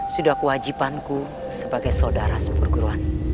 sudah kewajipanku sebagai saudara sepurguruan